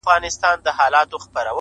خوارسومه انجام مي د زړه ور مـات كړ;